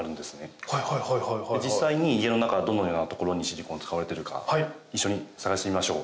実際に家の中どのような所にシリコーン使われているか一緒に探してみましょう。